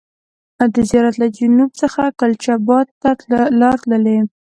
د زیارت له جنوب څخه کلچا بات ته لار تللې.